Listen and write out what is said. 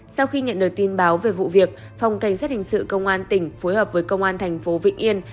sau khi nhận được tin báo về vụ việc phòng cảnh sát hình sự công an tỉnh phối hợp với công an thành phố vĩnh yên